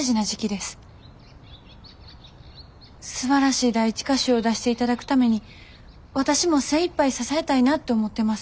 すばらしい第一歌集を出していただくために私も精いっぱい支えたいなって思ってます。